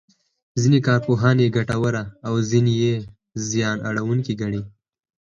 ځینې کارپوهان یې ګټوره او ځینې یې زیان اړوونکې ګڼي.